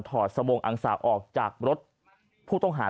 อดสบงอังสะออกจากรถผู้ต้องหา